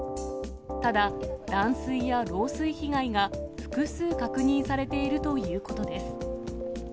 ただ、断水や漏水被害が複数確認されているということです。